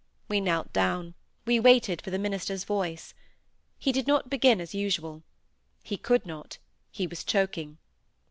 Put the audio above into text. We knelt down; we waited for the minister's voice. He did not begin as usual. He could not; he was choking.